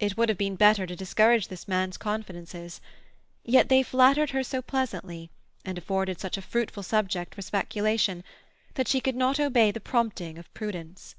It would have been better to discourage this man's confidences; yet they flattered her so pleasantly, and afforded such a fruitful subject for speculation, that she could not obey the prompting of prudence.